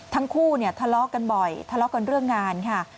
ทั้งคู่เนี่ยทะเลาะกันบ่อยทะเลาะกันเรื่องงานค่ะ